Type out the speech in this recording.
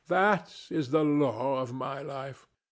That is the law of my life.